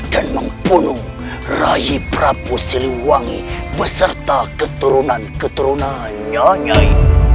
dan membunuh raih prabu siliwangi beserta keturunan keturunan nyai